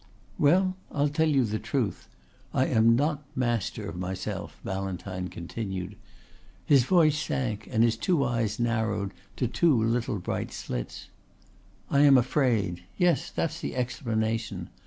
"Well, I'll tell you the truth. I am not master of myself," Ballantyne continued. His voice sank and his eyes narrowed to two little bright slits. "I am afraid. Yes, that's the explanation.